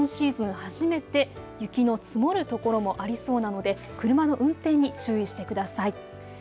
初めて雪の積もる所もありそうなので車の運転に注意してください。